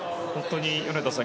米田さん